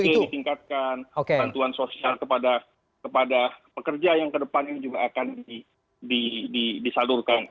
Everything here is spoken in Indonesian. ini ditingkatkan bantuan sosial kepada pekerja yang kedepannya juga akan disalurkan